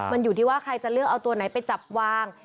มันอยู่ที่ว่าใครจะเลือกเอาตัวไหนไปจับวาง